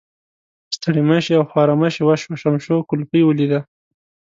ستړي مشي او خوارمشي وشوه، شمشو کولپۍ ولیده.